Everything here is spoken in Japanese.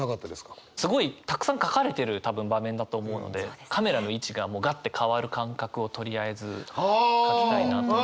すごいたくさん書かれてる多分場面だと思うのでカメラの位置がもうガッて変わる感覚をとりあえず書きたいなと思って。